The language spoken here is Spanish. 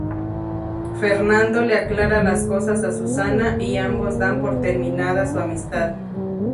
Fernando le aclara las cosas a Susana, y ambos dan por terminada su amistad.